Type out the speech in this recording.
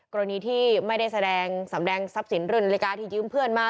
กรณีที่ไม่ได้แสดงสำแดงทรัพย์สินเรื่องนาฬิกาที่ยืมเพื่อนมา